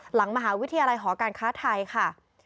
หลังมหาวิทยาลัยหอการค้าไทยค่ะ